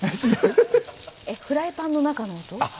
フライパンの中の音？